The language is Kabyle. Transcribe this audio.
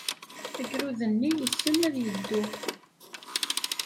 Agrud-nni yessen ad yeddu.